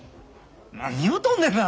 何言うとんねんな。